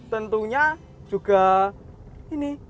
tentunya juga ini